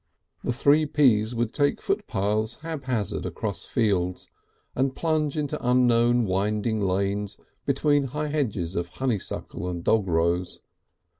The Three Ps would take footpaths haphazard across fields, and plunge into unknown winding lanes between high hedges of honeysuckle and dogrose.